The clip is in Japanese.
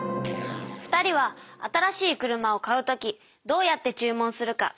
２人は新しい車を買うときどうやって注文するか知ってる？